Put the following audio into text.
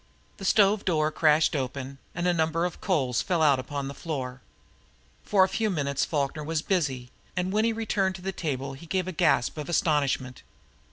The stove door crashed open, and a number of coals fell out upon the floor. For a few minutes Falkner was busy, and when he returned to the table he gave a gasp of astonishment.